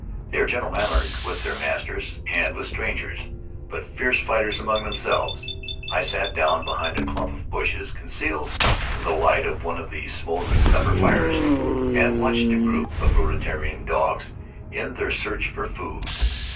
They are gentle mannered with their masters and with strangers, but fierce fighters among themselves. I sat down behind a clump of bushes, concealed from the light of one of the smol dering supper fires, and watched a group of Rutiaroan dogs in their search for food.